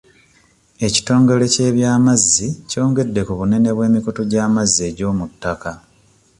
Ekitongole ky'ebyamazzi kyongedde ku bunene bw'emikutu gy'amazzi egy'omu ttaka.